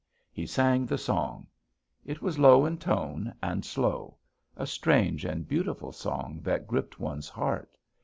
"He sang the song. It was low in tone, and slow; a strange and beautiful song that gripped one's heart.